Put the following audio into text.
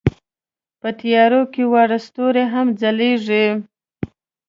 په تیارو کې واړه ستوري هم ځلېږي.